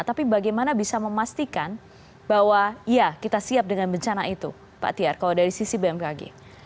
tapi bagaimana bisa memastikan bahwa ya kita siap dengan bencana itu pak tiar kalau dari sisi bmkg